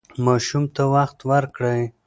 ماشوم ته وخت ورکړئ.